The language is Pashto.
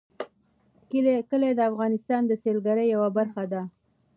کلي د افغانستان د سیلګرۍ یوه برخه ده.